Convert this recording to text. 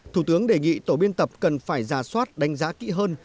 thủ tướng đề nghị tổ biên tập cần phải ra soát đánh giá kỹ hơn